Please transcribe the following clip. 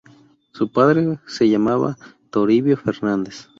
Su padre se llamaba Toribio Fernández.